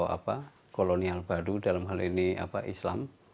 atau kolonial badu dalam hal ini islam